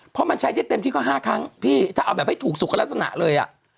ถ้าเอาแบบแบบให้ถูกสุขลักษณะเลย